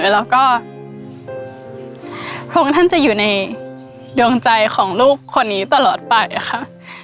แล้วก็พระองค์ท่านจะอยู่ในดวงใจของลูกคนนี้ตลอดไปค่ะ